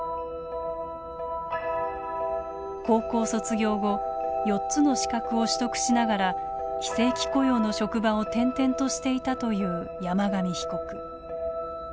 高校卒業後４つの資格を取得しながら非正規雇用の職場を転々としていたという山上被告。